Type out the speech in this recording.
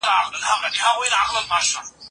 د ادب تفسیر باید د معتبرو سرچینو پر بنسټ وي.